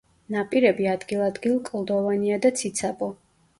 ნაპირები ადგილ-ადგილ კლდოვანია და ციცაბო.